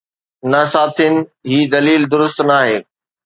نه سائين، هي دليل درست ناهي.